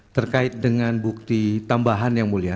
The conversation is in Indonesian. terkait dengan bukti tambahan yang mulia